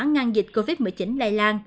ngăn dịch covid một mươi chín lây lan